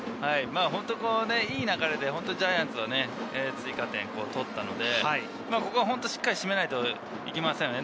本当にいい流れでジャイアンツは追加点を取ったので、ここは本当にしっかり締めないといけないですね。